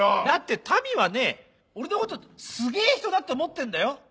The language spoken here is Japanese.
だって民はね俺のことすげぇ人だと思ってんだよ。